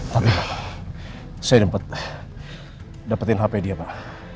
tapi saya dapetin hp dia pak